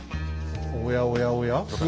おやおやおや？